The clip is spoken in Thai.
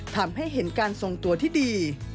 ทำให้เห็นการทรงตัวที่ดี